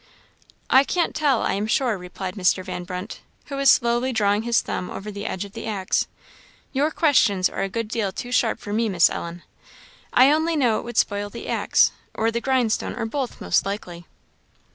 "I can't tell, I am sure," replied Mr. Van Brunt, who was slowly drawing his thumb over the edge of the axe; "your questions are a good deal too sharp for me, Miss Ellen; I only know it would spoil the axe, or the grindstone, or both, most likely."